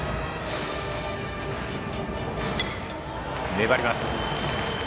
粘ります。